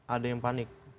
ada yang panik